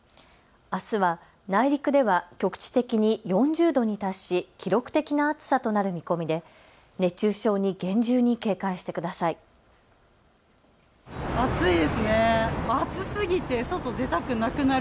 あすは内陸では局地的に４０度に達し、記録的な暑さとなる見込みで熱中症に厳重に警戒してください。